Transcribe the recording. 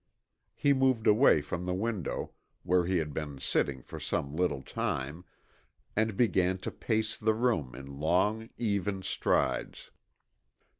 He moved away from the window, where he had been sitting for some little time, and began to pace the room in long, even strides.